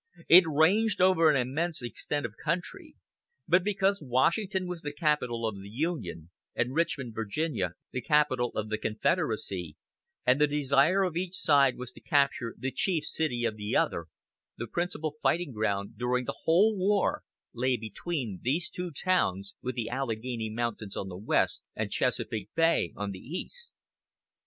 It ranged over an immense extent of country; but because Washington was the capital of the Union, and Richmond, Virginia, the capital of the Confederacy, and the desire of each side was to capture the chief city of the other, the principal fighting ground, during the whole war, lay between these two towns, with the Alleghany Mountains on the west, and Chesapeake Bay on the east.